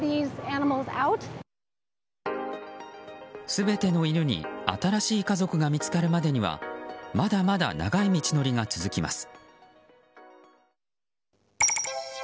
全ての犬に新しい家族が見つかるまでにはまだまだ長い道のりが続きます。